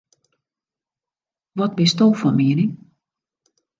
Wat bisto fan miening?